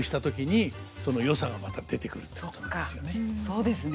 そうですね。